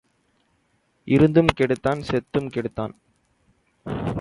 இருந்தும் கெடுத்தான் செத்தும் கெடுத்தான்.